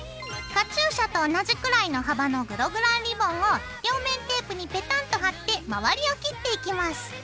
カチューシャと同じくらいの幅のグログランリボンを両面テープにペタンと貼って周りを切っていきます。